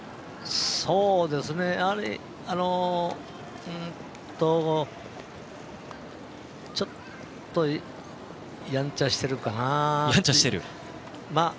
やはり、ちょっとやんちゃしてるかな。